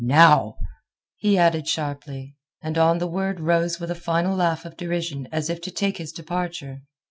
Now," he added sharply, and on the word rose with a final laugh of derision as if to take his departure.